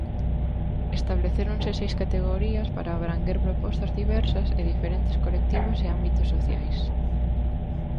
Establecéronse seis categorías para abranguer propostas diversas e diferentes colectivos e ámbitos sociais.